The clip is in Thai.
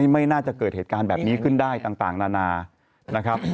ไม่น่าจะเกิดเหตุการณ์แบบนี้ขึ้นได้ต่างนานานะครับ